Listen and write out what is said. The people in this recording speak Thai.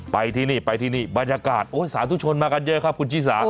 ไปที่นี่ไปที่นี่บรรยากาศสาธุชนมากันเยอะครับคุณชิสา